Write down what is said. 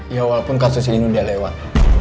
ya walaupun kasus ini sudah lewat